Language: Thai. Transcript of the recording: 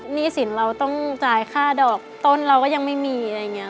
หนี้สินเราต้องจ่ายค่าดอกต้นเราก็ยังไม่มีอะไรอย่างนี้